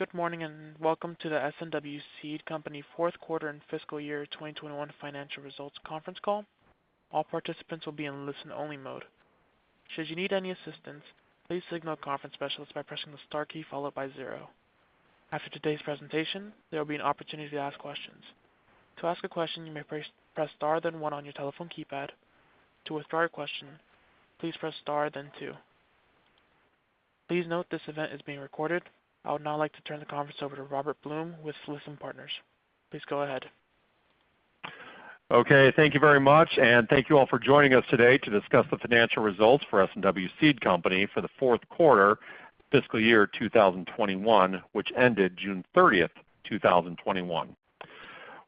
Good morning, and welcome to the S&W Seed Company fourth quarter and fiscal year 2021 financial results conference call. All participants will be in listen only mode. If you need any assistance please signal the conference specialist by star key followed by zero. As todays presentation there will be an oppotunity to ask a questions. To ask a question you may please press star then one on your telephone keypad. To reply a question press star then two.please know this call is being recorded. I would now like to turn the conference over to Robert Blum with Lytham Partners. Please go ahead. Okay. Thank you very much. Thank you all for joining us today to discuss the financial results for S&W Seed Company for the fourth quarter fiscal year 2021, which ended June 30th, 2021.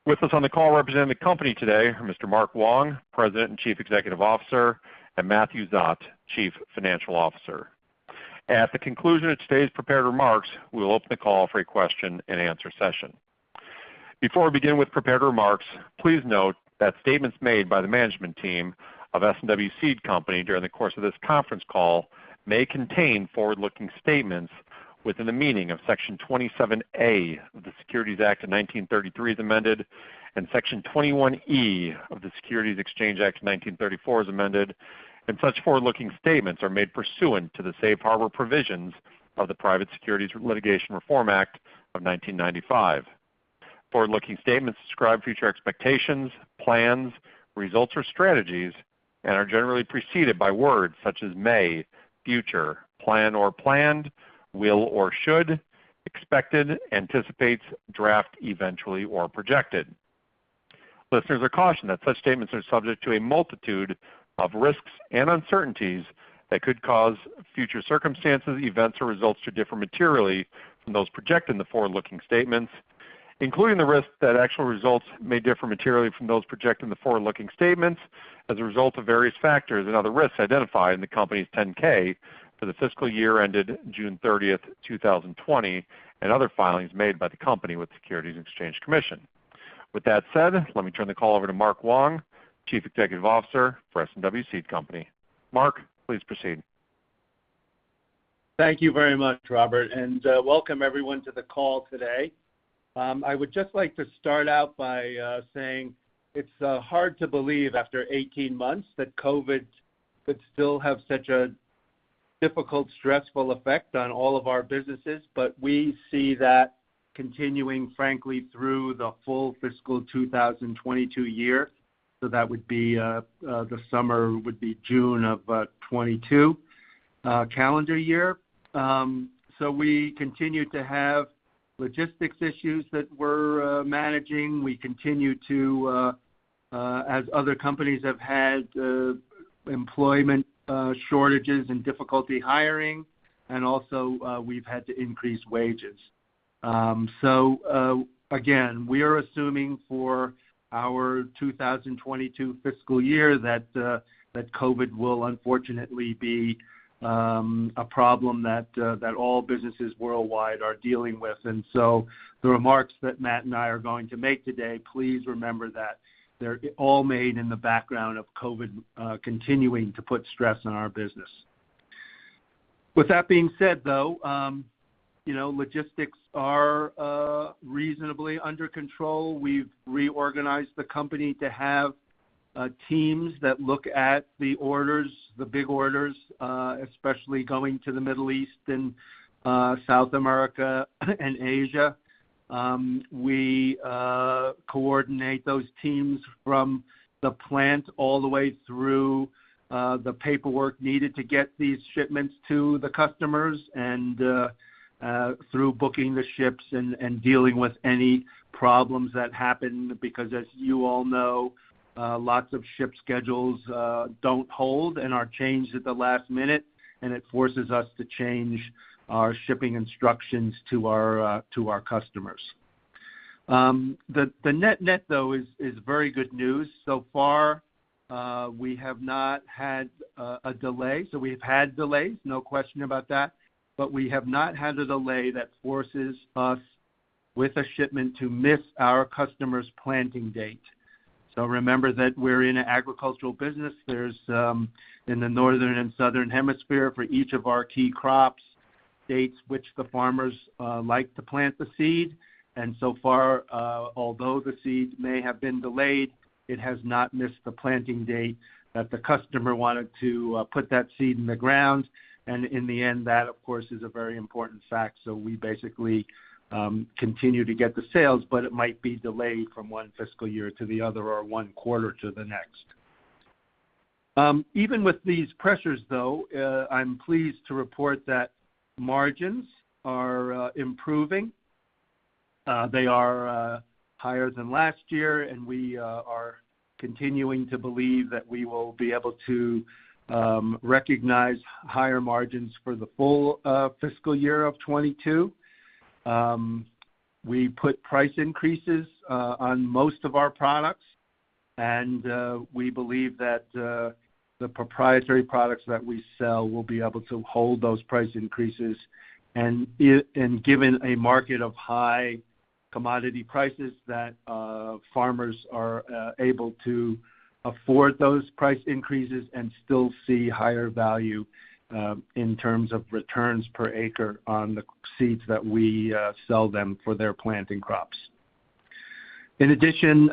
With us on the call representing the company today are Mr. Mark Wong, President and Chief Executive Officer, and Matthew Szot, Chief Financial Officer. At the conclusion of today's prepared remarks, we will open the call for a question and answer session. Before we begin with prepared remarks, please note that statements made by the management team of S&W Seed Company during the course of this conference call may contain forward-looking statements within the meaning of Section 27A of the Securities Act of 1933 as amended, and Section 21E of the Securities Exchange Act of 1934 as amended, and such forward-looking statements are made pursuant to the safe harbor provisions of the Private Securities Litigation Reform Act of 1995. Forward-looking statements describe future expectations, plans, results or strategies, and are generally preceded by words such as may, future, plan or planned, will or should, expected, anticipates, draft, eventually or projected. Listeners are cautioned that such statements are subject to a multitude of risks and uncertainties that could cause future circumstances, events or results to differ materially from those projected in the forward-looking statements, including the risk that actual results may differ materially from those projected in the forward-looking statements, as a result of various factors and other risks identified in the company's 10-K for the fiscal year ended June 30th, 2020, and other filings made by the company with Securities and Exchange Commission. With that said, let me turn the call over to Mark Wong, Chief Executive Officer for S&W Seed Company. Mark, please proceed. Thank you very much, Robert, welcome everyone to the call today. I would just like to start out by saying it's hard to believe after 18 months that COVID could still have such a difficult, stressful effect on all of our businesses. We see that continuing, frankly, through the full fiscal 2022 year. That would be, the summer would be June of 2022 calendar year. We continue to have logistics issues that we're managing. We continue to, as other companies have had, employment shortages and difficulty hiring, and also, we've had to increase wages. Again, we are assuming for our 2022 fiscal year that COVID will unfortunately be a problem that all businesses worldwide are dealing with. The remarks that Matt and I are going to make today, please remember that they're all made in the background of COVID continuing to put stress on our business. With that being said, though, logistics are reasonably under control. We've reorganized the company to have teams that look at the orders, the big orders, especially going to the Middle East and South America and Asia. We coordinate those teams from the plant all the way through the paperwork needed to get these shipments to the customers and through booking the ships and dealing with any problems that happen because as you all know, lots of ship schedules don't hold and are changed at the last minute, and it forces us to change our shipping instructions to our customers. The net-net though is very good news. So far, we have not had a delay. We've had delays, no question about that, but we have not had a delay that forces us with a shipment to miss our customer's planting date. Remember that we're in an agricultural business. There's, in the Northern and Southern Hemisphere for each of our key crops, dates which the farmers like to plant the seed. So far, although the seeds may have been delayed, it has not missed the planting date that the customer wanted to put that seed in the ground. In the end, that of course is a very important fact. We basically continue to get the sales, but it might be delayed from one fiscal year to the other or one quarter to the next. Even with these pressures though, I'm pleased to report that margins are improving. They are higher than last year. We are continuing to believe that we will be able to recognize higher margins for the full fiscal year of 2022. We put price increases on most of our products, and we believe that the proprietary products that we sell will be able to hold those price increases and given a market of high commodity prices that farmers are able to afford those price increases and still see higher value in terms of returns per acre on the seeds that we sell them for their planting crops. In addition,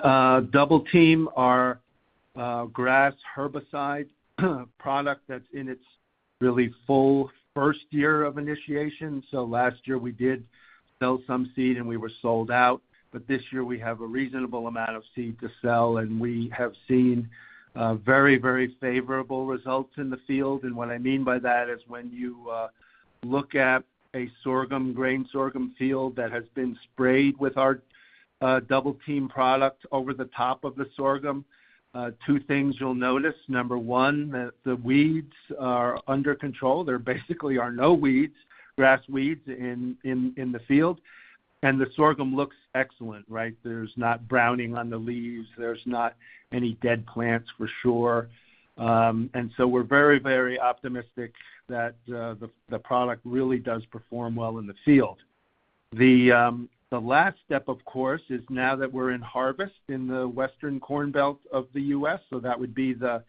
Double Team, our grass herbicide product that's in its really full first year of initiation. Last year we did sell some seed, and we were sold out. This year we have a reasonable amount of seed to sell, and we have seen very favorable results in the field. What I mean by that is when you look at a grain sorghum field that has been sprayed with our Double Team product over the top of the sorghum, two things you'll notice. Number one, the weeds are under control. There basically are no grass weeds in the field. The sorghum looks excellent. There's not browning on the leaves. There's not any dead plants, for sure. We're very, very optimistic that the product really does perform well in the field. The last step, of course, is now that we're in harvest in the Western corn belt of the U.S., so that would be the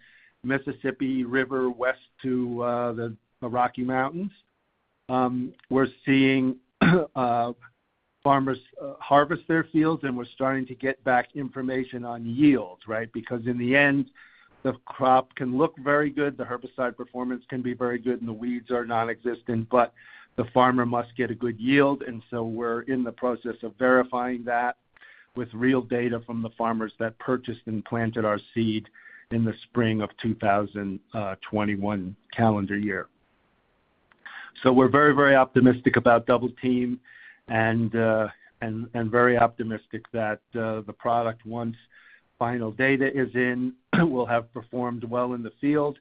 Mississippi River west to the Rocky Mountains. We're seeing farmers harvest their fields, and we're starting to get back information on yields. In the end, the crop can look very good, the herbicide performance can be very good, and the weeds are nonexistent, but the farmer must get a good yield. We're in the process of verifying that with real data from the farmers that purchased and planted our seed in the spring of 2021 calendar year. We're very, very optimistic about Double Team and very optimistic that the product, once final data is in, will have performed well in the field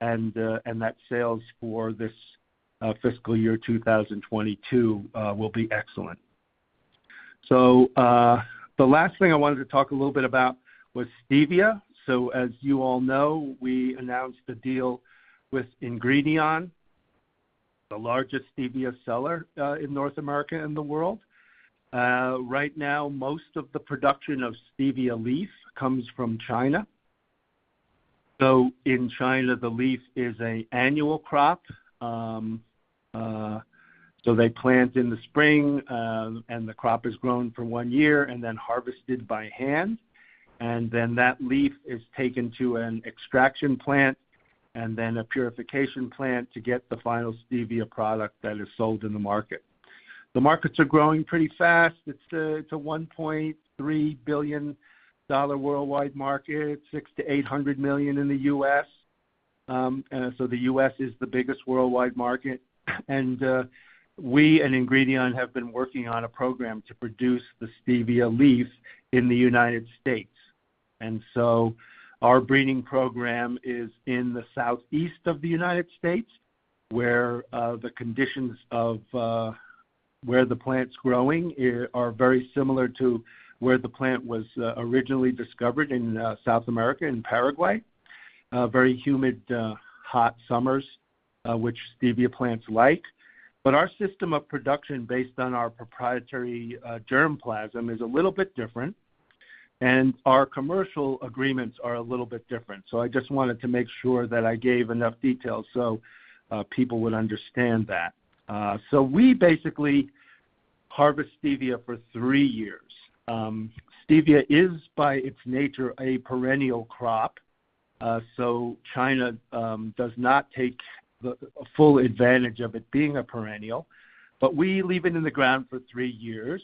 and that sales for this fiscal year, 2022, will be excellent. The last thing I wanted to talk a little bit about was stevia. As you all know, we announced the deal with Ingredion, the largest stevia seller in North America and the world. Right now, most of the production of stevia leaf comes from China. In China, the leaf is an annual crop. They plant in the spring, and the crop is grown for one year and then harvested by hand. That leaf is taken to an extraction plant and then a purification plant to get the final stevia product that is sold in the market. The markets are growing pretty fast. It's a $1.3 billion worldwide market, $600 million-$800 million in the U.S. The U.S. is the biggest worldwide market. We and Ingredion have been working on a program to produce the stevia leaf in the United States. Our breeding program is in the southeast of the United States, where the conditions of where the plant's growing are very similar to where the plant was originally discovered in South America, in Paraguay. Very humid, hot summers, which stevia plants like. Our system of production, based on our proprietary germplasm, is a little bit different, and our commercial agreements are a little bit different. I just wanted to make sure that I gave enough details so people would understand that. We basically harvest stevia for three years. Stevia is, by its nature, a perennial crop. China does not take full advantage of it being a perennial, but we leave it in the ground for three years.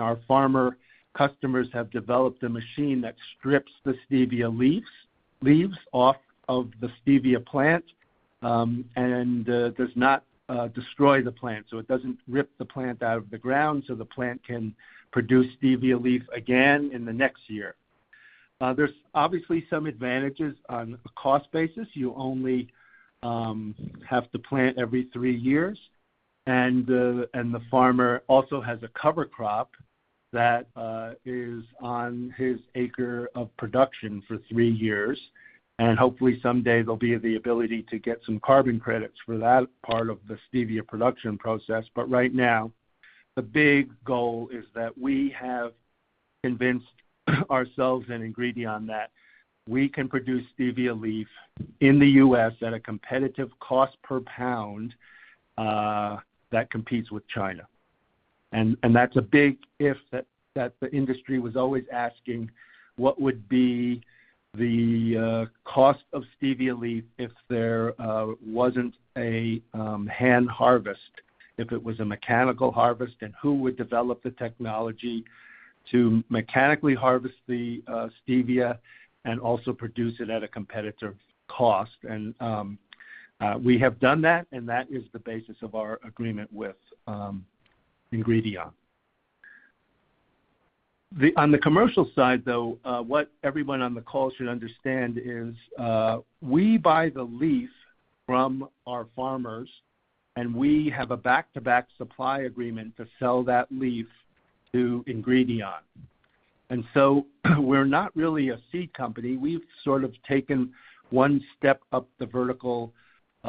Our farmer customers have developed a machine that strips the stevia leaves off of the stevia plant and does not destroy the plant. It doesn't rip the plant out of the ground, so the plant can produce stevia leaf again in the next year. There's obviously some advantages on a cost basis. You only have to plant every three years. The farmer also has a cover crop that is on his acre of production for three years. Hopefully someday there'll be the ability to get some carbon credits for that part of the stevia production process. Right now, the big goal is that we have convinced ourselves and Ingredion that we can produce stevia leaf in the U.S. at a competitive cost per pound that competes with China. That's a big "if" that the industry was always asking, what would be the cost of stevia leaf if there wasn't a hand harvest, if it was a mechanical harvest? Who would develop the technology to mechanically harvest the stevia and also produce it at a competitive cost? We have done that. That is the basis of our agreement with Ingredion. On the commercial side, though, what everyone on the call should understand is we buy the leaf from our farmers, and we have a back-to-back supply agreement to sell that leaf to Ingredion. We're not really a seed company. We've sort of taken one step up the vertical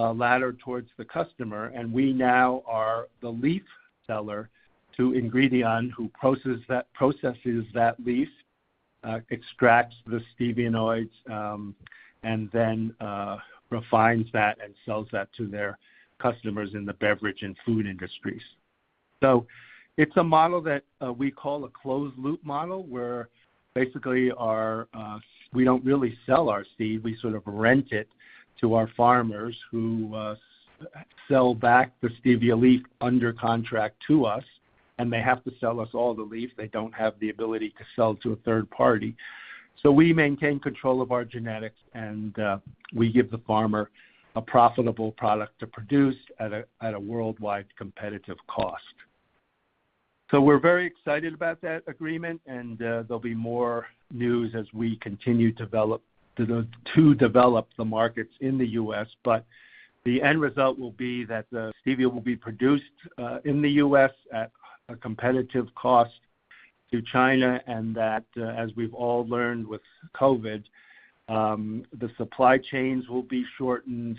ladder towards the customer, and we now are the leaf seller to Ingredion, who processes that leaf, extracts the steviol glycosides, and then refines that and sells that to their customers in the beverage and food industries. It's a model that we call a closed-loop model, where basically we don't really sell our seed, we sort of rent it to our farmers who sell back the stevia leaf under contract to us, and they have to sell us all the leaf. They don't have the ability to sell to a third party. We maintain control of our genetics, and we give the farmer a profitable product to produce at a worldwide competitive cost. We're very excited about that agreement, and there'll be more news as we continue to develop the markets in the U.S. The end result will be that the stevia will be produced in the U.S. at a competitive cost to China, and that, as we've all learned with COVID, the supply chains will be shortened.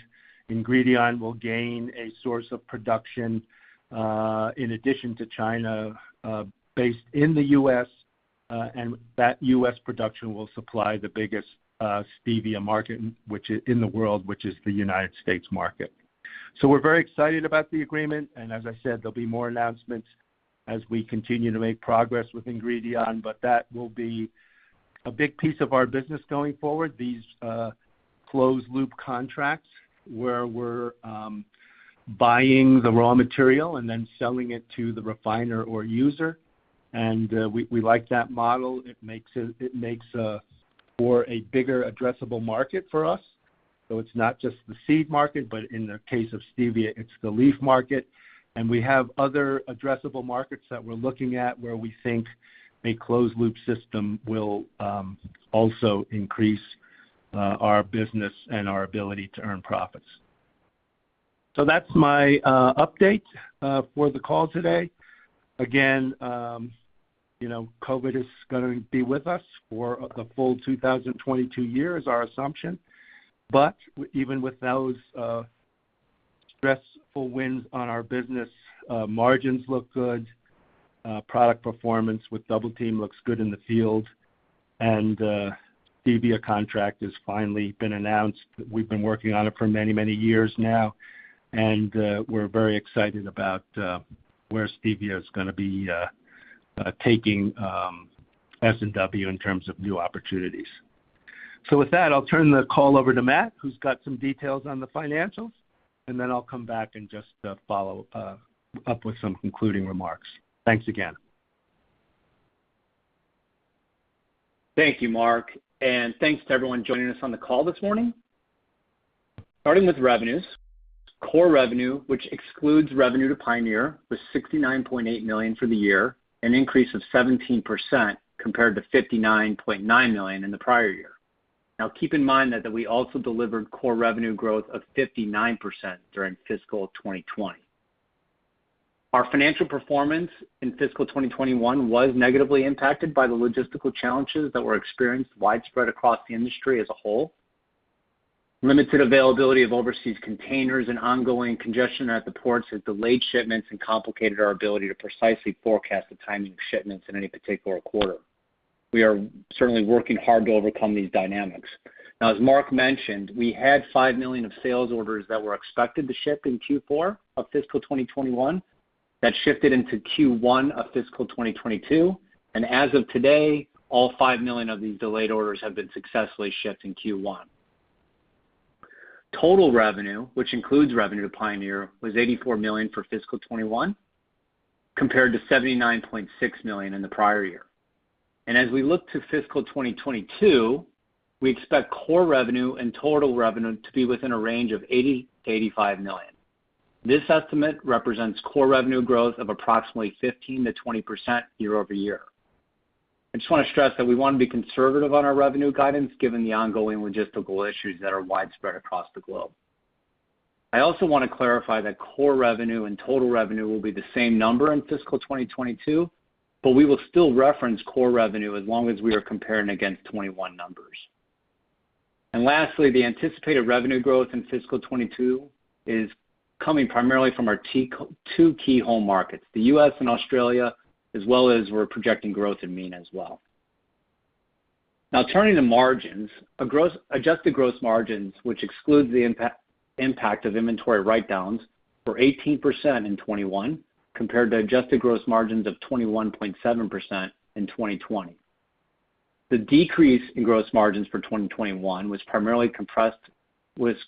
Ingredion will gain a source of production, in addition to China, based in the U.S., and that U.S. production will supply the biggest stevia market in the world, which is the United States market. We're very excited about the agreement, and as I said, there'll be more announcements as we continue to make progress with Ingredion. That will be a big piece of our business going forward, these closed-loop contracts where we're buying the raw material and then selling it to the refiner or user. We like that model. It makes for a bigger addressable market for us. It's not just the seed market, but in the case of stevia, it's the leaf market. We have other addressable markets that we're looking at where we think a closed-loop system will also increase our business and our ability to earn profits. That's my update for the call today. Again, COVID is going to be with us for the full 2022 year is our assumption. Even with those stressful winds on our business, margins look good. Product performance with Double Team looks good in the field. Stevia contract has finally been announced. We've been working on it for many, many years now, and we're very excited about where stevia is going to be taking S&W in terms of new opportunities. With that, I'll turn the call over to Matt, who's got some details on the financials, and then I'll come back and just follow up with some concluding remarks. Thanks again. Thanks to everyone joining us on the call this morning. Starting with revenues. Core revenue, which excludes revenue to Pioneer, was $69.8 million for the year, an increase of 17% compared to $59.9 million in the prior year. Keep in mind that we also delivered core revenue growth of 59% during fiscal 2020. Our financial performance in fiscal 2021 was negatively impacted by the logistical challenges that were experienced widespread across the industry as a whole. Limited availability of overseas containers and ongoing congestion at the ports has delayed shipments and complicated our ability to precisely forecast the timing of shipments in any particular quarter. We are certainly working hard to overcome these dynamics. As Mark mentioned, we had $5 million of sales orders that were expected to ship in Q4 of fiscal 2021 that shifted into Q1 of fiscal 2022. As of today, all $5 million of these delayed orders have been successfully shipped in Q1. Total revenue, which includes revenue to Pioneer, was $84 million for fiscal 2021, compared to $79.6 million in the prior year. As we look to fiscal 2022, we expect core revenue and total revenue to be within a range of $80 million-$85 million. This estimate represents core revenue growth of approximately 15%-20% year-over-year. I just want to stress that we want to be conservative on our revenue guidance given the ongoing logistical issues that are widespread across the globe. I also want to clarify that core revenue and total revenue will be the same number in fiscal 2022, but we will still reference core revenue as long as we are comparing against 2021 numbers. Lastly, the anticipated revenue growth in fiscal 2022 is coming primarily from our two key home markets, the U.S. and Australia, as well as we're projecting growth in MENA as well. Now turning to margins. Adjusted gross margins, which excludes the impact of inventory write-downs for 18% in 2021, compared to adjusted gross margins of 21.7% in 2020. The decrease in gross margins for 2021 was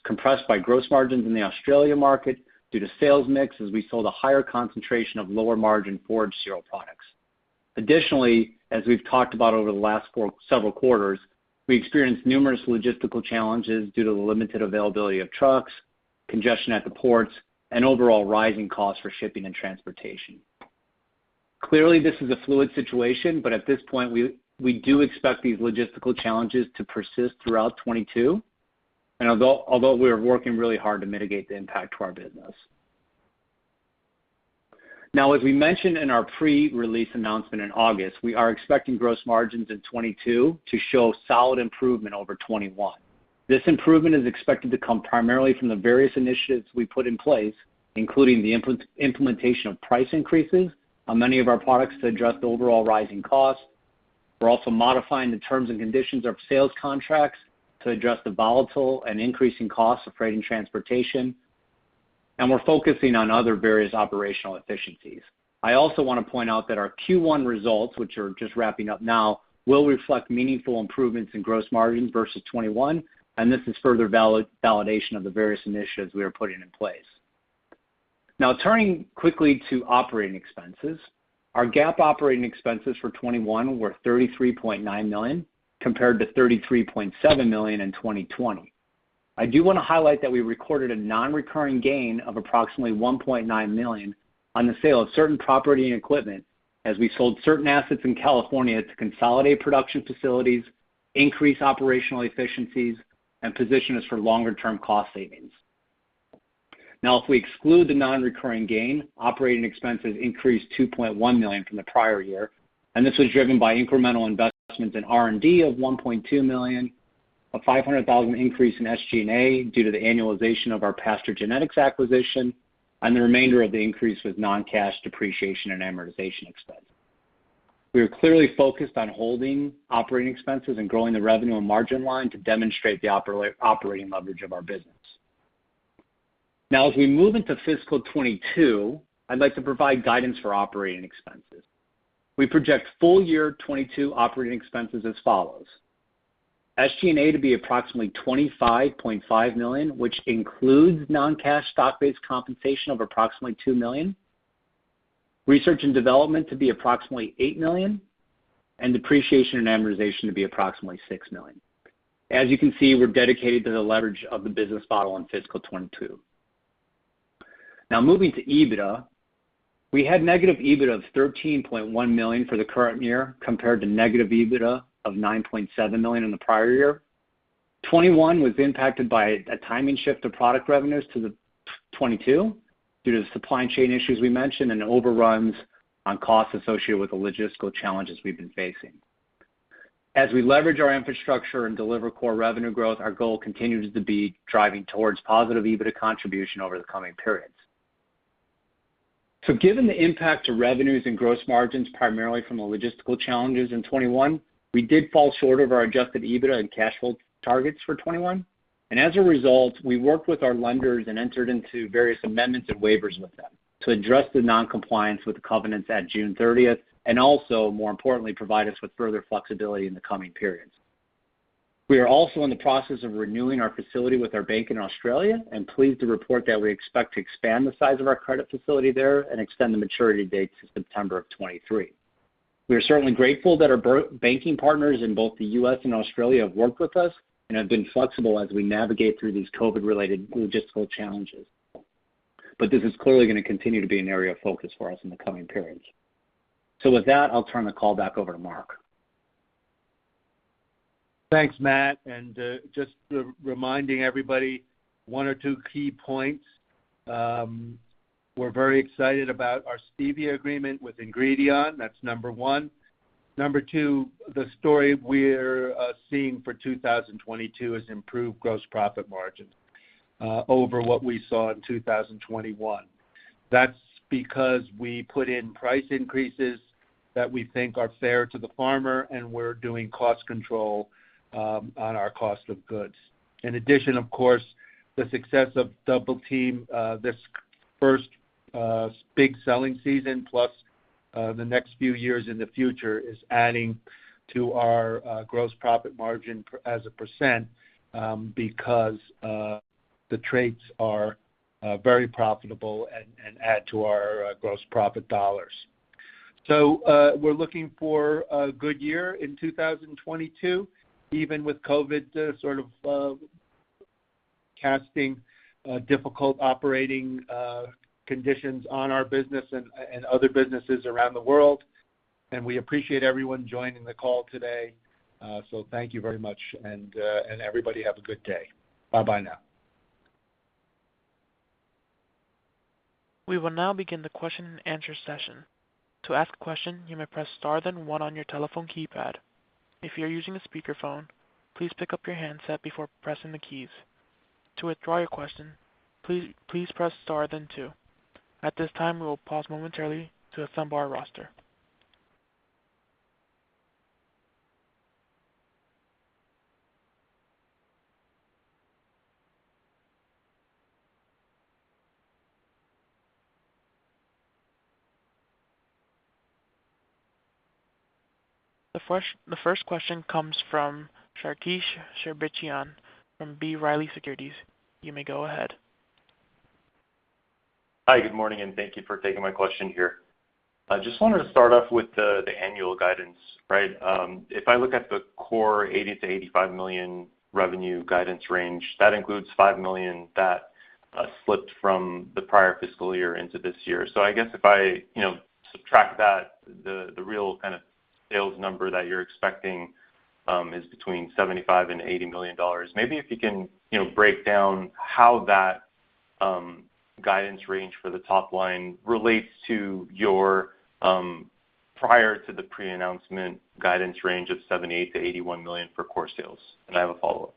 compressed by gross margins in the Australia market due to sales mix as we sold a higher concentration of lower-margin forage cereal products. Additionally, as we've talked about over the last several quarters, we experienced numerous logistical challenges due to the limited availability of trucks, congestion at the ports, and overall rising costs for shipping and transportation Clearly, this is a fluid situation, but at this point, we do expect these logistical challenges to persist throughout 2022, and although we are working really hard to mitigate the impact to our business. Now, as we mentioned in our pre-release announcement in August, we are expecting gross margins in 2022 to show solid improvement over 2021. This improvement is expected to come primarily from the various initiatives we put in place, including the implementation of price increases on many of our products to address the overall rising costs. We're also modifying the terms and conditions of sales contracts to address the volatile and increasing costs of freight and transportation, and we're focusing on other various operational efficiencies. I also want to point out that our Q1 results, which are just wrapping up now, will reflect meaningful improvements in gross margin versus 2021, and this is further validation of the various initiatives we are putting in place. Now, turning quickly to operating expenses. Our GAAP operating expenses for 2021 were $33.9 million, compared to $33.7 million in 2020. I do want to highlight that we recorded a non-recurring gain of approximately $1.9 million on the sale of certain property and equipment as we sold certain assets in California to consolidate production facilities, increase operational efficiencies, and position us for longer term cost savings. If we exclude the non-recurring gain, operating expenses increased $2.1 million from the prior year. This was driven by incremental investments in R&D of $1.2 million, a $500,000 increase in SG&A due to the annualization of our Pasture Genetics acquisition, and the remainder of the increase was non-cash depreciation and amortization expense. We are clearly focused on holding operating expenses and growing the revenue and margin line to demonstrate the operating leverage of our business. As we move into fiscal 2022, I'd like to provide guidance for operating expenses. We project full year 2022 operating expenses as follows. SG&A to be approximately $25.5 million, which includes non-cash stock-based compensation of approximately $2 million. Research and development to be approximately $8 million. Depreciation and amortization to be approximately $6 million. As you can see, we're dedicated to the leverage of the business model in fiscal 2022. Moving to EBITDA, we had negative EBITDA of $13.1 million for the current year, compared to negative EBITDA of $9.7 million in the prior year. 2021 was impacted by a timing shift of product revenues to the 2022 due to the supply chain issues we mentioned and overruns on costs associated with the logistical challenges we've been facing. As we leverage our infrastructure and deliver core revenue growth, our goal continues to be driving towards positive EBITDA contribution over the coming periods. Given the impact to revenues and gross margins, primarily from the logistical challenges in 2021, we did fall short of our adjusted EBITDA and cash flow targets for 2021. As a result, we worked with our lenders and entered into various amendments and waivers with them to address the non-compliance with the covenants at June 30th, and also, more importantly, provide us with further flexibility in the coming periods. We are also in the process of renewing our facility with our bank in Australia and pleased to report that we expect to expand the size of our credit facility there and extend the maturity date to September of 2023. We are certainly grateful that our banking partners in both the U.S. and Australia have worked with us and have been flexible as we navigate through these COVID-related logistical challenges. This is clearly going to continue to be an area of focus for us in the coming periods. With that, I'll turn the call back over to Mark. Thanks, Matt. Just reminding everybody one or two key points. We're very excited about our stevia agreement with Ingredion. That's number one. Number two, the story we're seeing for 2022 is improved gross profit margin over what we saw in 2021. That's because we put in price increases that we think are fair to the farmer, we're doing cost control on our cost of goods. In addition, of course, the success of Double Team, this first big selling season, plus the next few years in the future, is adding to our gross profit margin as a percent because the trades are very profitable and add to our gross profit dollars. We're looking for a good year in 2022, even with COVID sort of casting difficult operating conditions on our business and other businesses around the world. We appreciate everyone joining the call today. Thank you very much, and everybody have a good day. Bye now. We will now begin the question and anser sesion.to ask a question please press star then one on your telephone keypad. If you are using a speakerphone, please pick up your handset before pressing the key. To apply the question please press star then two. At this time ,we will pause momentarily to a assemble our roster. The first question comes from Sarkis Sherbetchyan from B. Riley Securities. You may go ahead. Hi, good morning. Thank you for taking my question here. I just wanted to start off with the annual guidance, right? If I look at the core $80 million-$85 million revenue guidance range, that includes $5 million that slipped from the prior fiscal year into this year. The real kind of sales number that you're expecting is between $75 million and $80 million. Maybe if you can break down how that guidance range for the top line relates to your prior to the pre-announcement guidance range of $78 million-$81 million for core sales. I have a follow-up.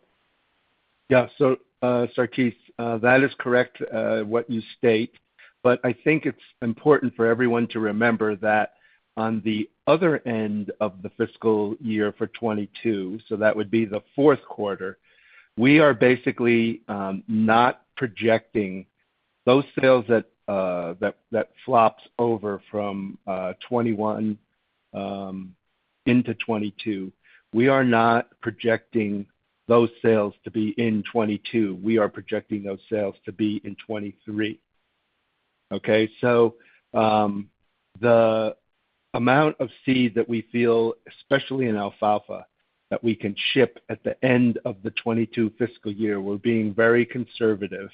Yeah. Sarkis, that is correct, what you state, but I think it's important for everyone to remember that on the other end of the fiscal year for 2022, that would be the fourth quarter, we are basically, not projecting those sales that flops over from 2021 into 2022. We are not projecting those sales to be in 2022. We are projecting those sales to be in 2023. Okay. The amount of seed that we feel, especially in alfalfa, that we can ship at the end of the 2022 fiscal year, we're being very conservative,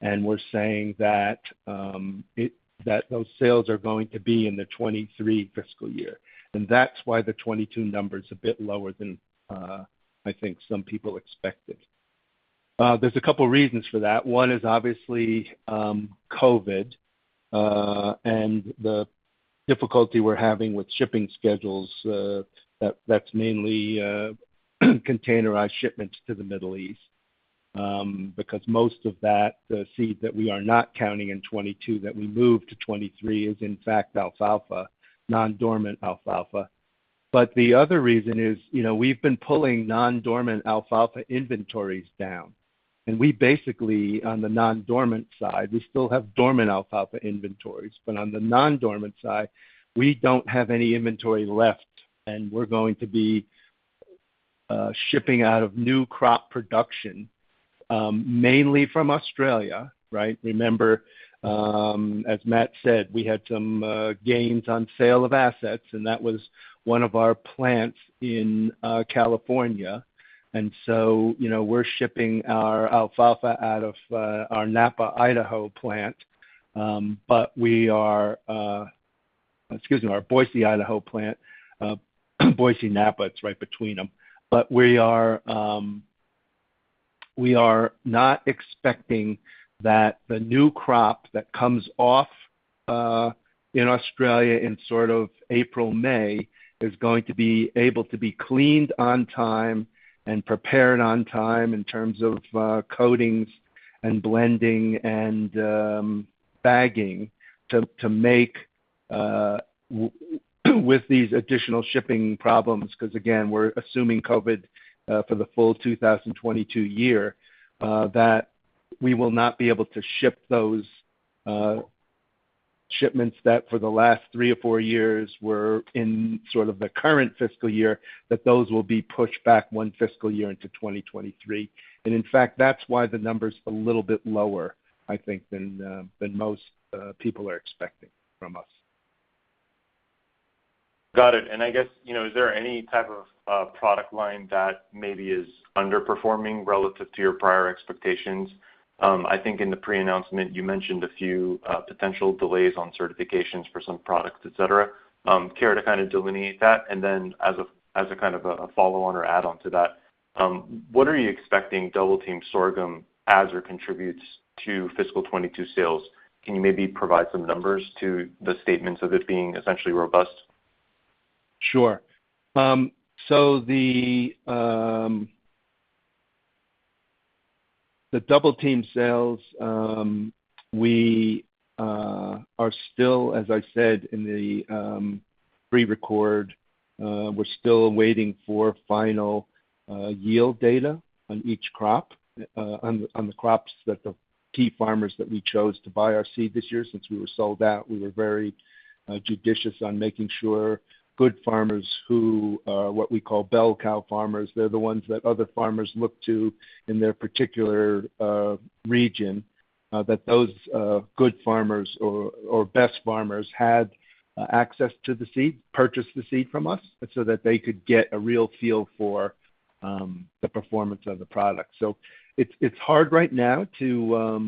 and we're saying that those sales are going to be in the 2023 fiscal year. That's why the 2022 number is a bit lower than, I think some people expected. There's a couple reasons for that, one is obviously, COVID, and the difficulty we're having with shipping schedules, that's mainly containerized shipments to the Middle East. Most of that, the seed that we are not counting in 2022, that we moved to 2023 is in fact alfalfa, non-dormant alfalfa. The other reason is, we've been pulling non-dormant alfalfa inventories down. We basically, on the non-dormant side, we still have dormant alfalfa inventories, but on the non-dormant side, we don't have any inventory left, and we're going to be shipping out of new crop production, mainly from Australia, right? Remember, as Matt said, we had some gains on sale of assets, and that was one of our plants in California. We're shipping our alfalfa out of our Nampa, Idaho plant. Excuse me, our Boise, Idaho plant, Boise, Nampa, it's right between them. We are not expecting that the new crop that comes off in Australia in sort of April, May, is going to be able to be cleaned on time and prepared on time in terms of coatings and blending and bagging to make with these additional shipping problems, because again, we're assuming COVID for the full 2022 year, that we will not be able to ship those shipments that for the last three or four years were in sort of the current fiscal year, that those will be pushed back one fiscal year into 2023. In fact, that's why the number's a little bit lower, I think, than most people are expecting from us. Got it. I guess, is there any type of product line that maybe is underperforming relative to your prior expectations? I think in the pre-announcement you mentioned a few potential delays on certifications for some products, et cetera. Care to kind of delineate that? As a kind of a follow-on or add-on to that, what are you expecting Double Team sorghum adds or contributes to fiscal 2022 sales? Can you maybe provide some numbers to the statements of it being essentially robust? Sure. The Double Team sales, we are still, as I said in the pre-record, we're still waiting for final yield data on each crop, on the crops that the key farmers that we chose to buy our seed this year. Since we were sold out, we were very judicious on making sure good farmers who, what we call bell cow farmers, they're the ones that other farmers look to in their particular region, that those good farmers or best farmers had access to the seed, purchased the seed from us, so that they could get a real feel for the performance of the product. It's hard right now to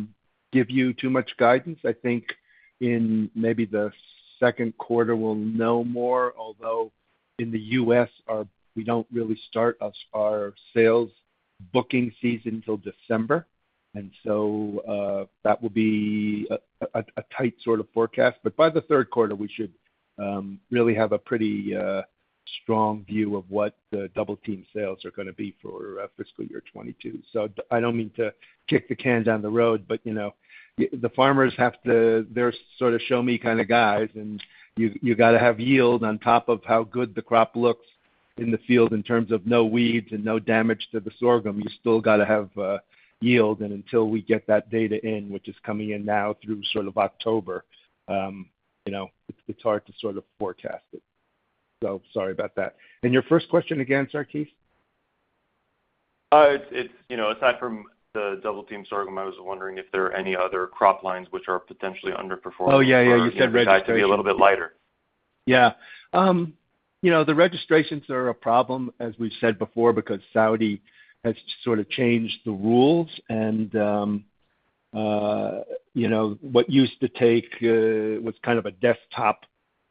give you too much guidance. I think in maybe the second quarter we'll know more, although in the U.S., we don't really start our sales booking season till December. That will be a tight sort of forecast. By the third quarter, we should really have a pretty strong view of what the Double Team sales are going to be for fiscal year 2022. I don't mean to kick the can down the road, the farmers, they're sort of show-me kind of guys, and you got to have yield on top of how good the crop looks in the field in terms of no weeds and no damage to the sorghum. You still got to have yield, until we get that data in, which is coming in now through sort of October, it's hard to sort of forecast it. Sorry about that. Your first question again, Sarkis? Aside from the Double Team sorghum, I was wondering if there are any other crop lines which are potentially underperforming? Oh, yeah, you said registrations. Tend to be a little bit lighter. Yeah. The registrations are a problem, as we've said before, because Saudi has sort of changed the rules and what used to take, was kind of a desktop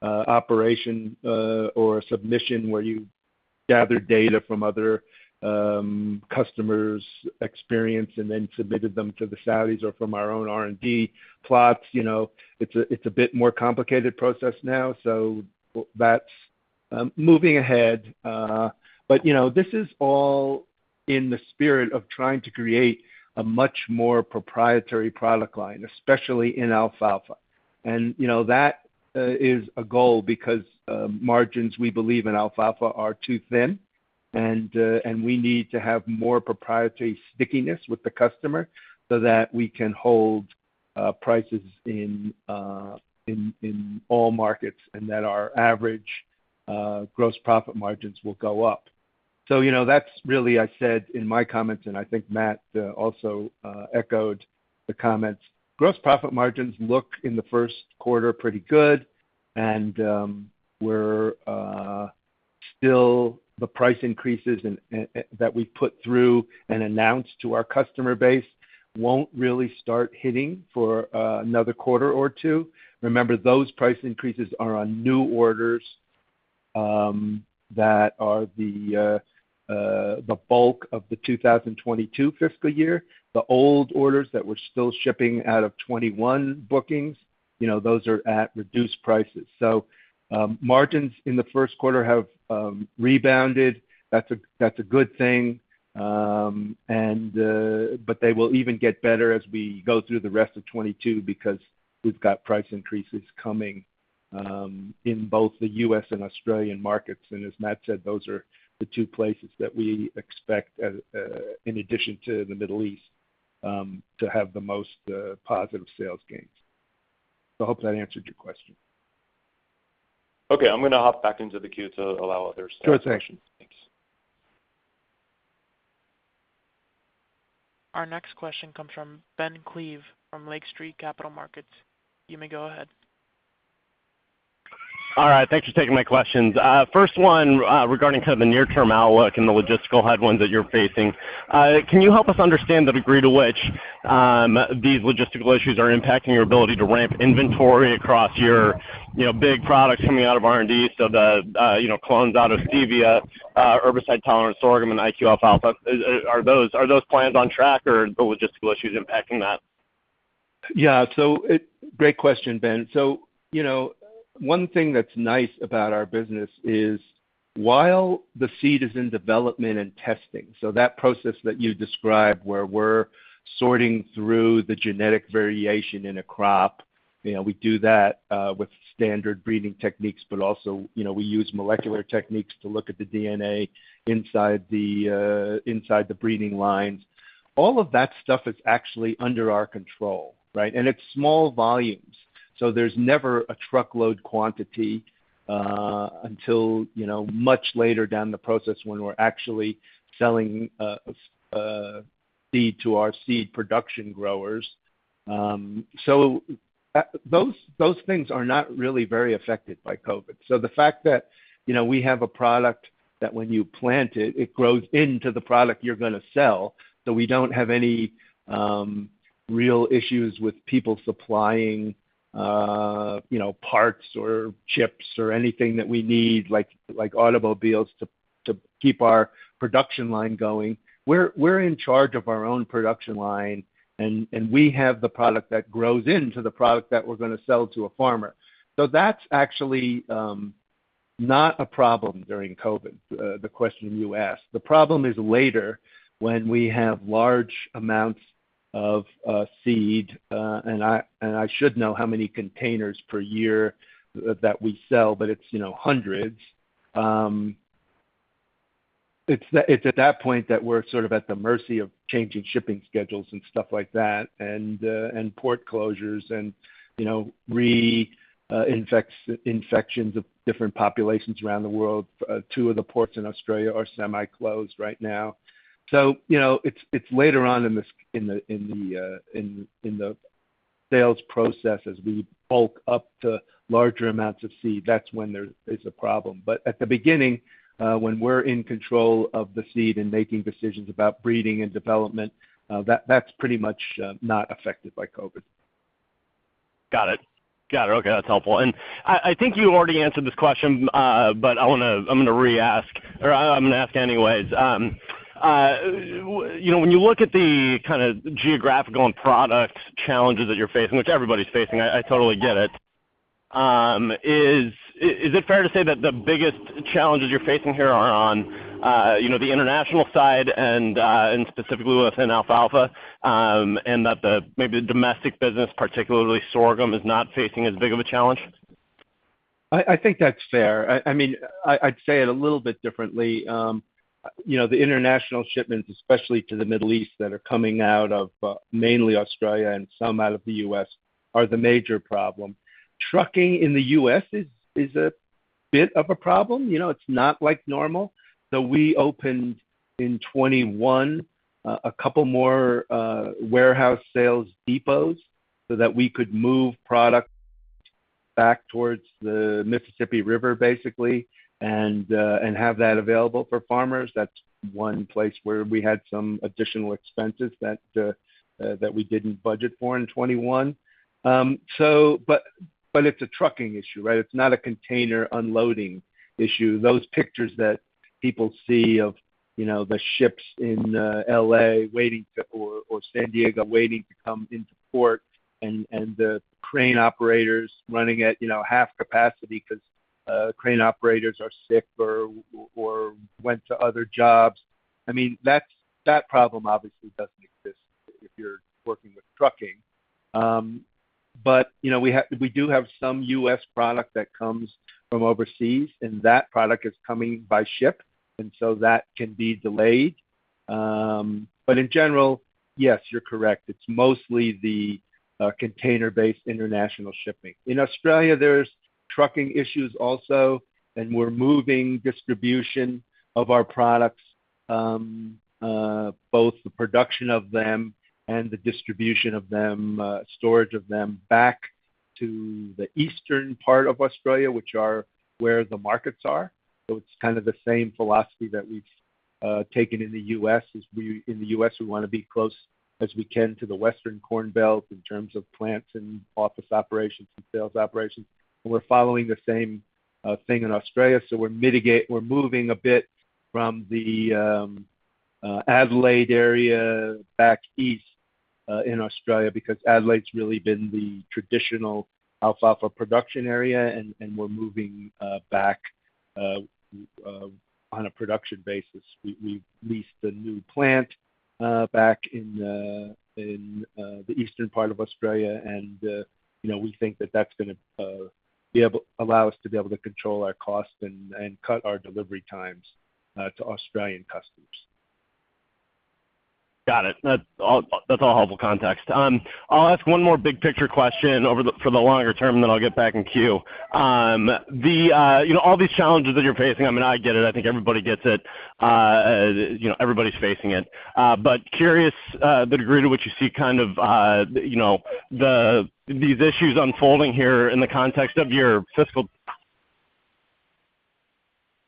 operation, or a submission where you gathered data from other customers' experience and then submitted them to the Saudis or from our own R&D plots. It's a bit more complicated process now. That's moving ahead. This is all in the spirit of trying to create a much more proprietary product line, especially in alfalfa. That is a goal because margins, we believe, in alfalfa are too thin, and we need to have more proprietary stickiness with the customer so that we can hold prices in all markets, and that our average gross profit margins will go up. That's really, I said in my comments, and I think Matt also echoed the comments. Gross profit margins look, in the first quarter, pretty good, and we're still the price increases that we put through and announced to our customer base won't really start hitting for another quarter or two. Remember, those price increases are on new orders that are the bulk of the 2022 fiscal year. The old orders that we're still shipping out of 2021 bookings, those are at reduced prices. Margins in the first quarter have rebounded. That's a good thing. They will even get better as we go through the rest of 2022 because we've got price increases coming in both the U.S. and Australian markets. As Matt said, those are the two places that we expect, in addition to the Middle East, to have the most positive sales gains. I hope that answered your question. Okay. I'm going to hop back into the queue to allow others to ask questions. Go ahead. Thanks. Our next question comes from Ben Klieve from Lake Street Capital Markets. You may go ahead. All right. Thanks for taking my questions. First one, regarding kind of the near-term outlook and the logistical headwinds that you're facing. Can you help us understand the degree to which these logistical issues are impacting your ability to ramp inventory across your big products coming out of R&D? The clones out of stevia, herbicide-tolerant sorghum, and HQ alfalfa. Are those plans on track, or are logistical issues impacting that? Great question, Ben. One thing that's nice about our business is while the seed is in development and testing, so that process that you described where we're sorting through the genetic variation in a crop, we do that with standard breeding techniques, but also, we use molecular techniques to look at the DNA inside the breeding lines. All of that stuff is actually under our control, right? It's small volumes, so there's never a truckload quantity until much later down the process when we're actually selling seed to our seed production growers. Those things are not really very affected by COVID. The fact that we have a product that when you plant it grows into the product you're going to sell, we don't have any real issues with people supplying parts or chips or anything that we need, like automobiles, to keep our production line going. We're in charge of our own production line, and we have the product that grows into the product that we're going to sell to a farmer. That's actually not a problem during COVID, the question you asked. The problem is later when we have large amounts of seed, and I should know how many containers per year that we sell, but it's hundreds. It's at that point that we're sort of at the mercy of changing shipping schedules and stuff like that and port closures and re-infections of different populations around the world. Two of the ports in Australia are semi-closed right now. It's later on in the sales process, as we bulk up to larger amounts of seed. That's when there is a problem. At the beginning, when we're in control of the seed and making decisions about breeding and development, that's pretty much not affected by COVID. Got it. Okay, that's helpful. I think you already answered this question, but I'm going to re-ask. I'm going to ask anyways. When you look at the kind of geographical and product challenges that you're facing, which everybody's facing, I totally get it. Is it fair to say that the biggest challenges you're facing here are on the international side and specifically within alfalfa, that maybe the domestic business, particularly sorghum, is not facing as big of a challenge? I think that's fair. I'd say it a little bit differently. The international shipments, especially to the Middle East, that are coming out of mainly Australia and some out of the U.S. are the major problem. Trucking in the U.S. is a bit of a problem. It's not like normal. We opened, in 2021, a couple more warehouse sales depots so that we could move product back towards the Mississippi River, basically, and have that available for farmers. That's one place where we had some additional expenses that we didn't budget for in 2021. It's a trucking issue, right? It's not a container unloading issue. Those pictures that people see of the ships in L.A. or San Diego waiting to come into port, and the crane operators running at half capacity because crane operators are sick or went to other jobs. That problem obviously doesn't exist if you're working with trucking. We do have some U.S. product that comes from overseas, and that product is coming by ship, and so that can be delayed. In general, yes, you're correct. It's mostly the container-based international shipping. In Australia, there's trucking issues also, and we're moving distribution of our products, both the production of them and the distribution of them, storage of them, back to the eastern part of Australia, which are where the markets are. It's kind of the same philosophy that we've taken in the U.S., is in the U.S., we want to be close as we can to the western corn belt in terms of plants and office operations and sales operations. We're following the same thing in Australia. We're moving a bit from the Adelaide area back east in Australia, because Adelaide's really been the traditional alfalfa production area, and we're moving back on a production basis. We've leased a new plant back in the eastern part of Australia, and we think that that's going to allow us to be able to control our costs and cut our delivery times to Australian customers. Got it. That's all helpful context. I'll ask one more big picture question for the longer term, then I'll get back in queue. All these challenges that you're facing, I get it. I think everybody gets it. Everybody's facing it. Curious the degree to which you see these issues unfolding here in the context of your fiscal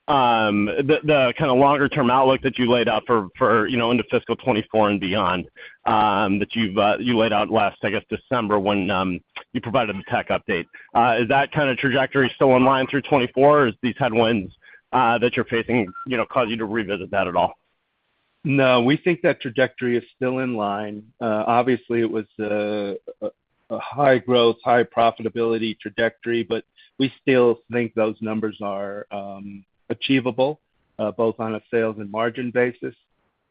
The kind of longer-term outlook that you laid out into fiscal 2024 and beyond, that you laid out last, I guess, December when you provided the tech update. Is that kind of trajectory still in line through 2024, or do these headwinds that you're facing cause you to revisit that at all? No, we think that trajectory is still in line. Obviously, it was a high growth, high profitability trajectory, but we still think those numbers are achievable both on a sales and margin basis.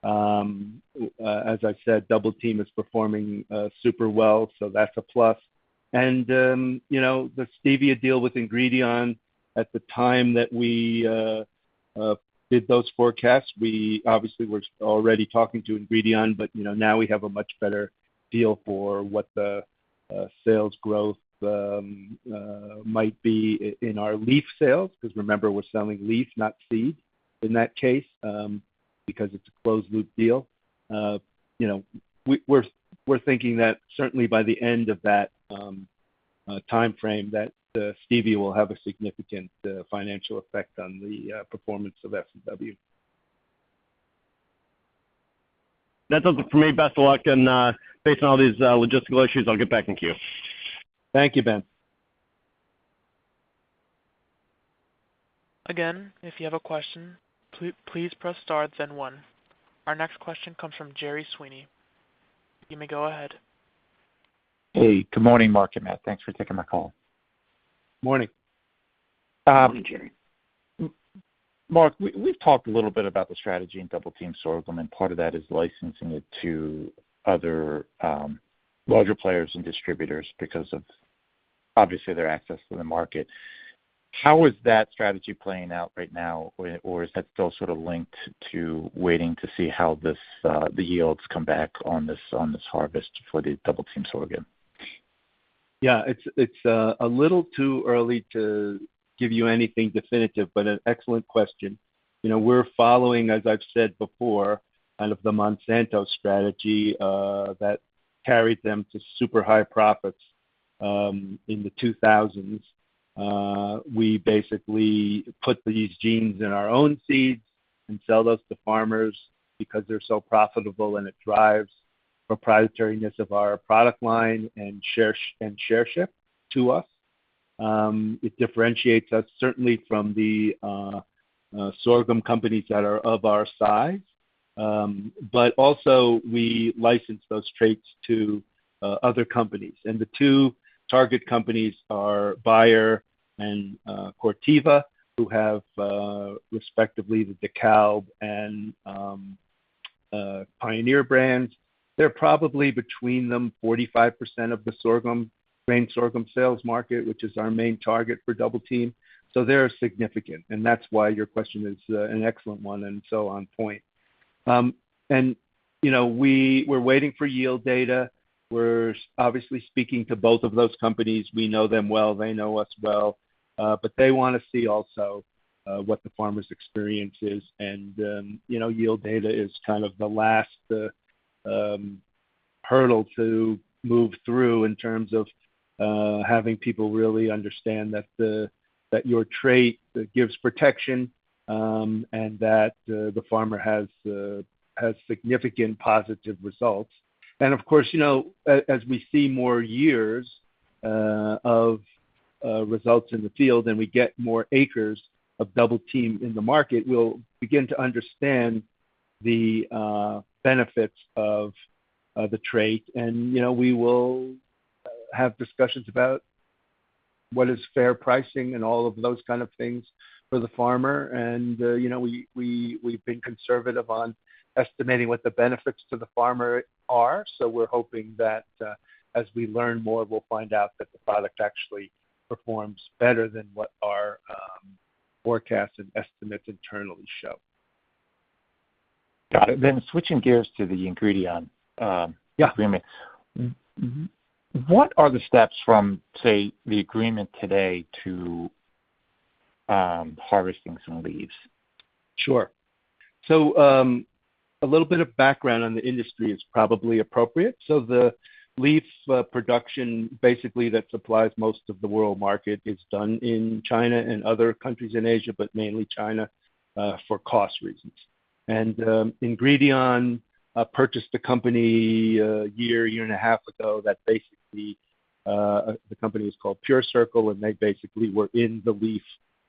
As I said, Double Team is performing super well, so that's a plus. The stevia deal with Ingredion, at the time that we did those forecasts, we obviously were already talking to Ingredion. Now we have a much better feel for what the sales growth might be in our leaf sales, because remember, we're selling leaf, not seed in that case, because it's a closed-loop deal. We're thinking that certainly by the end of that timeframe, that stevia will have a significant financial effect on the performance of S&W. That does it for me. Best of luck, and based on all these logistical issues, I'll get back in queue. Thank you, Ben Klieve. Again, if you have a question, please press star then one. Our next question comes from Gerry Sweeney. You may go ahead. Hey, good morning, Mark and Matt. Thanks for taking my call. Morning. Morning, Gerry. Mark, we've talked a little bit about the strategy in Double Team sorghum, and part of that is licensing it to other larger players and distributors because of, obviously, their access to the market. How is that strategy playing out right now, or is that still sort of linked to waiting to see how the yields come back on this harvest for the Double Team sorghum? It's a little too early to give you anything definitive, but an excellent question. We're following, as I've said before, kind of the Monsanto strategy that carried them to super high profits in the 2000s. We basically put these genes in our own seeds and sell those to farmers because they're so profitable and it drives proprietariness of our product line and share shift to us. It differentiates us certainly from the sorghum companies that are of our size. Also, we license those traits to other companies, and the two target companies are Bayer and Corteva, who have respectively the DEKALB and Pioneer brands. They're probably, between them, 45% of the grain sorghum sales market, which is our main target for Double Team. They're significant, and that's why your question is an excellent one and so on point. We're waiting for yield data. We're obviously speaking to both of those companies. We know them well. They know us well. They want to see also what the farmer's experience is, and yield data is kind of the last hurdle to move through in terms of having people really understand that your trait gives protection, and that the farmer has significant positive results. Of course, as we see more years of results in the field and we get more acres of Double Team in the market, we'll begin to understand the benefits of the trait. We will have discussions about what is fair pricing and all of those kind of things for the farmer. We've been conservative on estimating what the benefits to the farmer are, we're hoping that as we learn more, we'll find out that the product actually performs better than what our forecasts and estimates internally show. Got it. Switching gears to the Ingredion agreement. Yeah. What are the steps from, say, the agreement today to harvesting some leaves? Sure. A little bit of background on the industry is probably appropriate. The leaf production basically that supplies most of the world market is done in China and other countries in Asia, but mainly China, for cost reasons. Ingredion purchased a company one year, 1.5 years ago. The company is called PureCircle, and they basically were in the leaf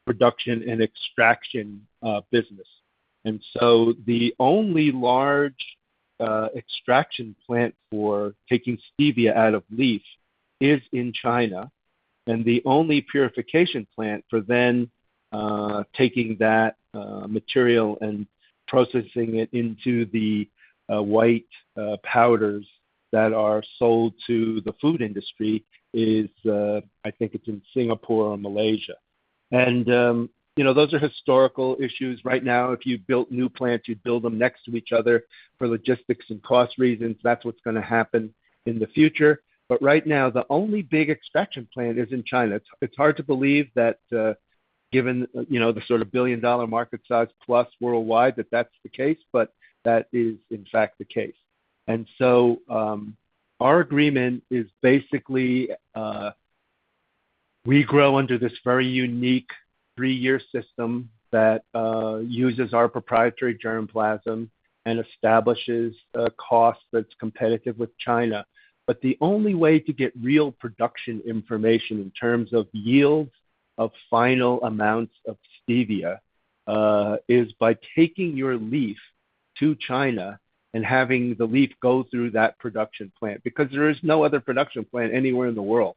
production and extraction business. The only large extraction plant for taking stevia out of leaf is in China. The only purification plant for then taking that material and processing it into the white powders that are sold to the food industry is, I think it's in Singapore or Malaysia. Those are historical issues. Right now, if you built new plants, you'd build them next to each other for logistics and cost reasons. That's what's going to happen in the future. Right now, the only big extraction plant is in China. It's hard to believe that given the sort of billion-dollar market size plus worldwide that that's the case, but that is in fact the case. Our agreement is basically, we grow under this very unique three-year system that uses our proprietary germplasm and establishes a cost that's competitive with China. The only way to get real production information in terms of yields of final amounts of stevia is by taking your leaf to China and having the leaf go through that production plant, because there is no other production plant anywhere in the world.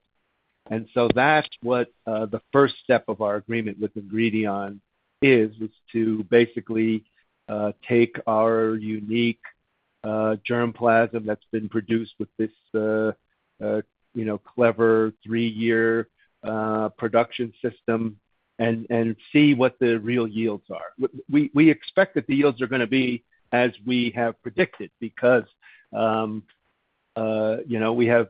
That's what the first step of our agreement with Ingredion is. It's to basically take our unique germplasm that's been produced with this clever three-year production system and see what the real yields are. We expect that the yields are going to be as we have predicted, because we have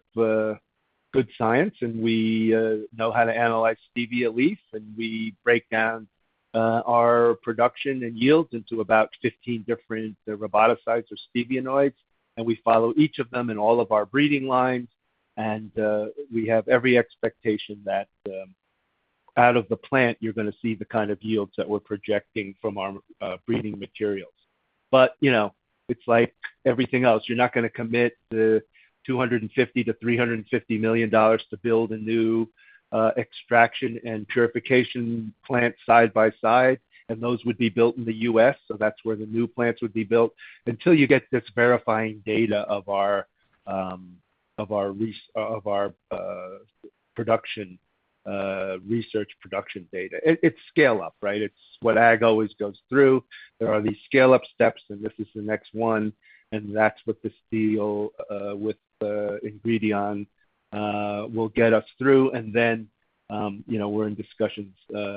good science, and we know how to analyze stevia leaves. We break down our production and yields into about 15 different rebaudiosides or steviol glycosides, and we follow each of them in all of our breeding lines. We have every expectation that out of the plant you're going to see the kind of yields that we're projecting from our breeding materials. It's like everything else. You're not going to commit the $250 million-$350 million to build a new extraction and purification plant side by side. Those would be built in the U.S., so that's where the new plants would be built, until you get this verifying data of our research production data. It's scale up, right? It's what ag always goes through. There are these scale-up steps, and this is the next one, and that's what this deal with Ingredion will get us through. Then we're in discussions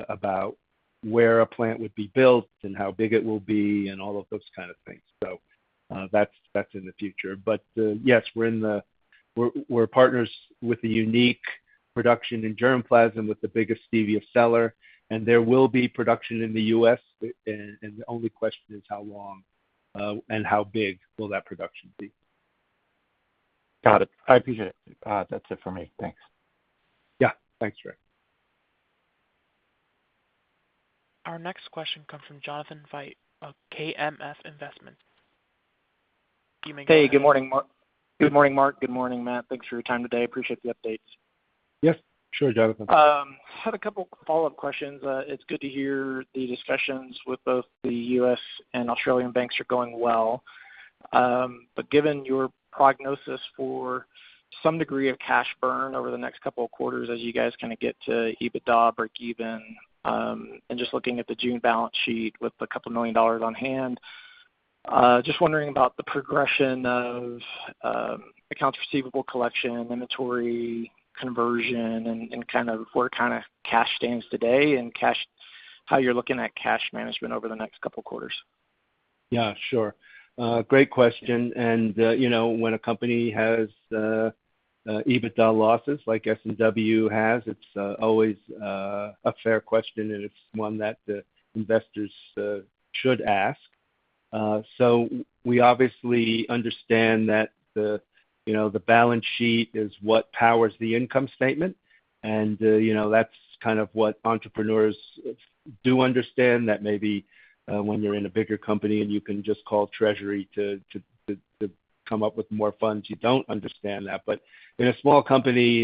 about where a plant would be built and how big it will be and all of those kind of things. That's in the future. Yes, we're partners with a unique production in germplasm with the biggest stevia seller, and there will be production in the U.S. The only question is how long and how big will that production be. Got it. I appreciate it. That's it for me. Thanks. Yeah. Thanks, Gerry. Our next question comes from Jonathon Fite of KMF Investments. You may go ahead. Hey, good morning. Good morning, Mark. Good morning, Matt. Thanks for your time today. Appreciate the updates. Yes. Sure, Jonathan. I have a couple follow-up questions. It's good to hear the discussions with both the U.S. and Australian banks are going well. Given your prognosis for some degree of cash burn over the next couple of quarters as you guys kind of get to EBITDA breakeven, and just looking at the June balance sheet with a couple million dollars on hand, just wondering about the progression of accounts receivable collection, inventory conversion, and where cash stands today, and how you're looking at cash management over the next couple quarters. Yeah, sure. Great question. When a company has EBITDA losses like S&W has. It's always a fair question, and it's one that investors should ask. We obviously understand that the balance sheet is what powers the income statement, and that's kind of what entrepreneurs do understand, that maybe when you're in a bigger company and you can just call treasury to come up with more funds, you don't understand that. In a small company,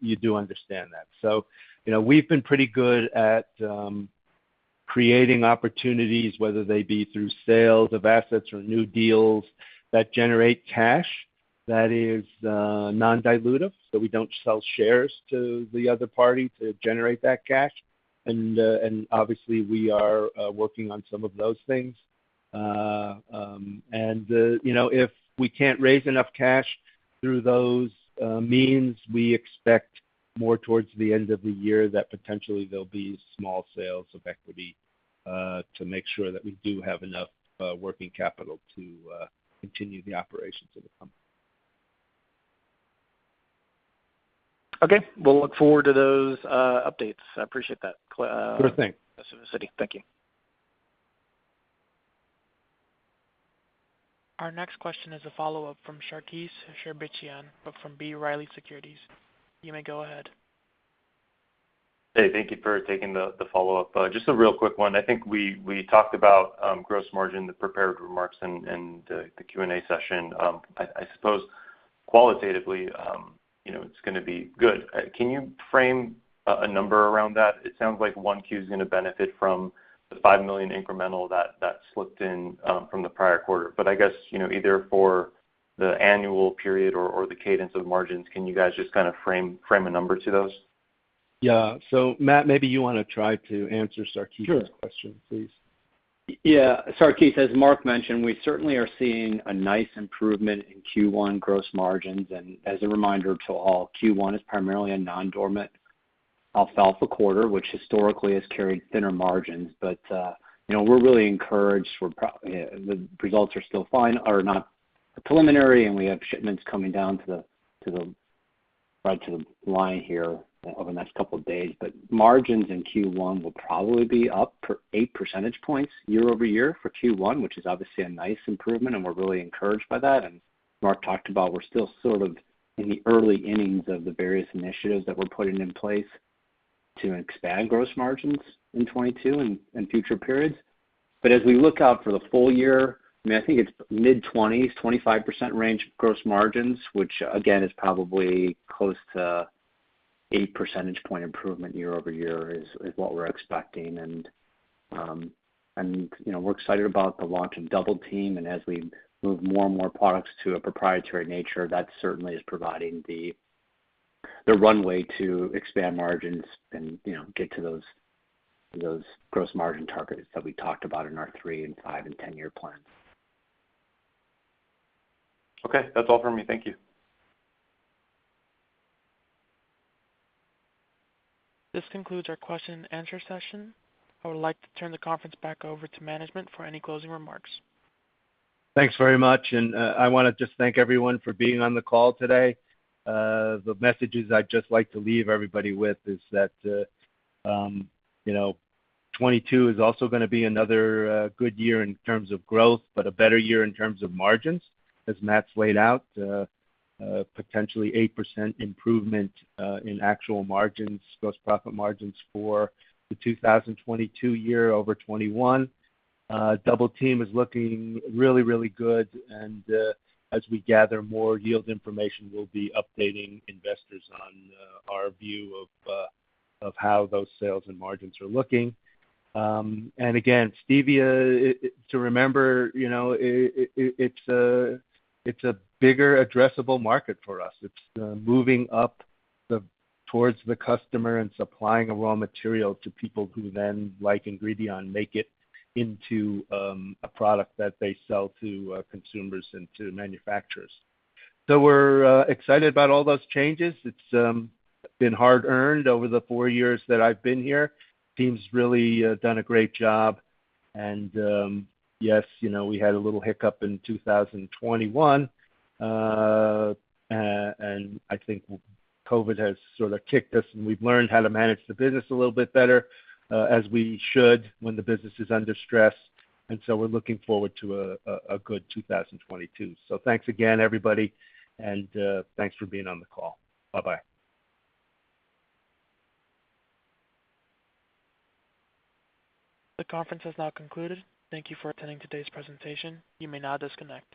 you do understand that. We've been pretty good at creating opportunities, whether they be through sales of assets or new deals that generate cash that is non-dilutive, so we don't sell shares to the other party to generate that cash. Obviously we are working on some of those things. If we can't raise enough cash through those means, we expect more towards the end of the year that potentially there'll be small sales of equity to make sure that we do have enough working capital to continue the operations of the company. Okay. We'll look forward to those updates. I appreciate that. Sure thing. City. Thank you. Our next question is a follow-up from Sarkis Sherbetchyan, but from B. Riley Securities. You may go ahead. Hey, thank you for taking the follow-up. Just a real quick one. I think we talked about gross margin, the prepared remarks in the Q&A session. I suppose qualitatively, it's gonna be good. Can you frame a number around that? It sounds like Q1 is gonna benefit from the $5 million incremental that slipped in from the prior quarter. I guess, either for the annual period or the cadence of margins, can you guys just kind of frame a number to those? Yeah. Matt, maybe you want to try to answer Sarkis's. Sure Question, please. Yeah. Sarkis, as Mark mentioned, we certainly are seeing a nice improvement in Q1 gross margins. As a reminder to all, Q1 is primarily a non-dormant alfalfa quarter, which historically has carried thinner margins. We're really encouraged. The results are still fine, or not, but preliminary, and we have shipments coming down right to the line here over the next couple of days. Margins in Q1 will probably be up eight percentage points year-over-year for Q1, which is obviously a nice improvement and we're really encouraged by that. Mark talked about we're still sort of in the early innings of the various initiatives that we're putting in place to expand gross margins in 2022 and future periods. As we look out for the full year, I think it's mid-20s, 25% range of gross margins, which again, is probably close to eight percentage point improvement year-over-year is what we're expecting. We're excited about the launch of Double Team, and as we move more and more products to a proprietary nature, that certainly is providing the runway to expand margins and get to those gross margin targets that we talked about in our three and five and 10-year plans. Okay, that's all from me. Thank you. This concludes our question and answer session. I would like to turn the conference back over to management for any closing remarks. Thanks very much. I want to just thank everyone for being on the call today. The messages I'd just like to leave everybody with is that 2022 is also gonna be another good year in terms of growth, but a better year in terms of margins, as Matt's laid out. Potentially 8% improvement in actual margins, gross profit margins for the 2022 year over 2021. Double Team is looking really good and as we gather more yield information, we'll be updating investors on our view of how those sales and margins are looking. Again, stevia, to remember, it's a bigger addressable market for us. It's moving up towards the customer and supplying a raw material to people who then, like Ingredion, make it into a product that they sell to consumers and to manufacturers. We're excited about all those changes. It's been hard earned over the four years that I've been here. Team's really done a great job. Yes, we had a little hiccup in 2021. I think COVID has sort of kicked us, and we've learned how to manage the business a little bit better, as we should when the business is under stress. We're looking forward to a good 2022. Thanks again, everybody, and thanks for being on the call. Bye-bye. The conference has now concluded. Thank you for attending today's presentation. You may now disconnect.